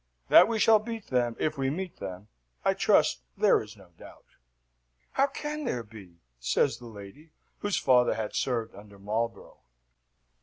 That we shall beat them, if we meet them, I trust there is no doubt." "How can there be?" says the lady, whose father had served under Marlborough.